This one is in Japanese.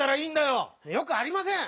よくありません！